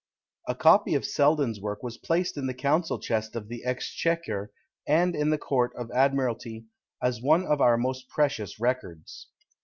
A copy of Selden's work was placed in the council chest of the Exchequer, and in the court of admiralty, as one of our most precious records.